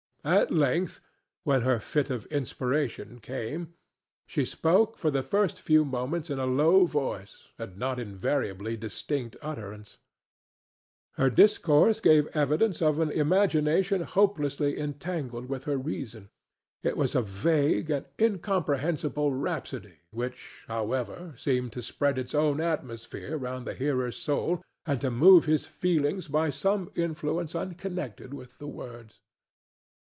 At length, when her fit of inspiration came, she spoke for the first few moments in a low voice and not invariably distinct utterance. Her discourse gave evidence of an imagination hopelessly entangled with her reason; it was a vague and incomprehensible rhapsody, which, however, seemed to spread its own atmosphere round the hearer's soul, and to move his feelings by some influence unconnected with the words.